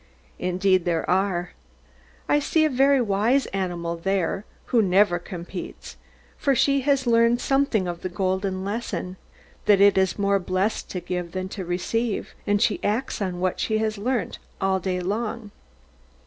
Indeed there are. I see a very wise animal there, who never competes; for she has learned something of the golden lesson that it is more blessed to give than to receive; and she acts on what she has learnt, all day long.